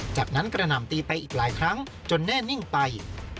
จากนั้นกระหน่ำตีไปอีกหลายครั้งจนแน่นิ่งไป